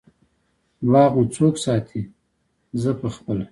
باغ مو څوک ساتی؟ زه پخپله